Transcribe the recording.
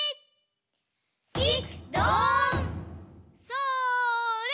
それ。